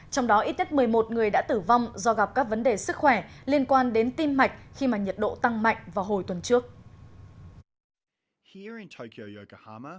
trong đó ít nhất một mươi một người đã tử vong do gặp các vấn đề sức khỏe liên quan đến tim mạch khi mà nhiệt độ tăng mạnh vào hồi tuần trước